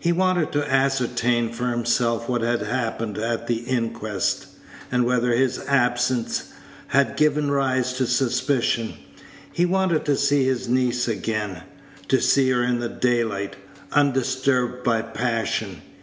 He wanted to ascertain for himself what had happened at the inquest, and whether his absence had given rise to suspicion. He wanted to see his niece again to see her in the daylight, undisturbed by passion.